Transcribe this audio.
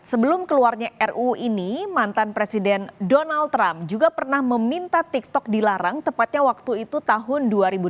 sebelum keluarnya ruu ini mantan presiden donald trump juga pernah meminta tiktok dilarang tepatnya waktu itu tahun dua ribu delapan belas